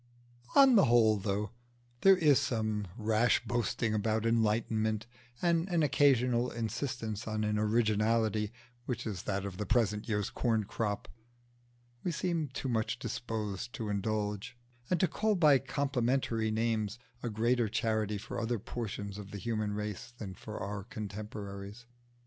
On the whole, though there is some rash boasting about enlightenment, and an occasional insistance on an originality which is that of the present year's corn crop, we seem too much disposed to indulge, and to call by complimentary names, a greater charity for other portions of the human race than for our contemporaries.